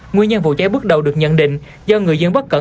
nguyên nhân vụ cháy bước đầu được nhận định do người dân bất cẩn